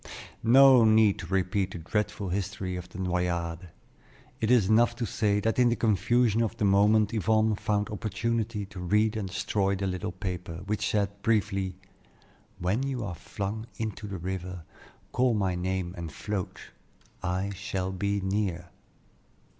No need to repeat the dreadful history of the Noyades; it is enough to say that in the confusion of the moment Yvonne found opportunity to read and destroy the little paper, which said briefly: "When you are flung into the river, call my name and float. I shall be near."